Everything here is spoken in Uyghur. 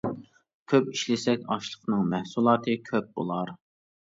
كۆپ ئىشلىسەك ئاشلىقنىڭ، مەھسۇلاتى كۆپ بۇلار.